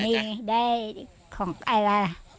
มีได้ของอะไรล่ะ